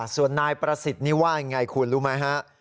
ส่วนนายประสิทธิ์นี่ว่าอย่างไรคุณรู้ไหมฮะ